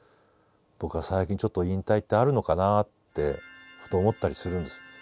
僕は最近ちょっと引退ってあるのかなってふと思ったりするんです。